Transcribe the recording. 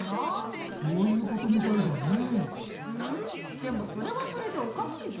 でもそれはそれでおかしいぞ。